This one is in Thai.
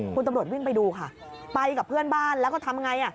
คุณตำรวจวิ่งไปดูค่ะไปกับเพื่อนบ้านแล้วก็ทำไง